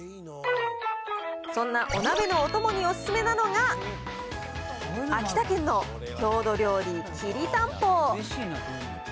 そんなお鍋のお供にお勧めなのが、秋田県の郷土料理、きりたんぽ。